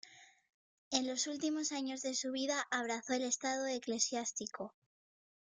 En los últimos años de su vida abrazó el estado eclesiástico.